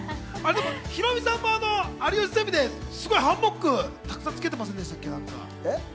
ヒロミさんも『有吉ゼミ』で、すごいハンモック沢山つけてませんでしたっけ？